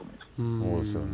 そうですよね。